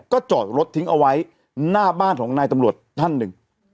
ก็จอดรถทิ้งเอาไว้หน้าบ้านของนายตำรวจท่านหนึ่ง